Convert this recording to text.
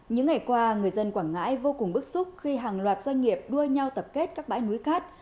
những ngày qua người dân quảng ngãi vô cùng bức xúc khi hàng loạt doanh nghiệp đua nhau tập kết các bãi núi cát